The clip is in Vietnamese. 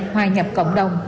hòa nhập cộng đồng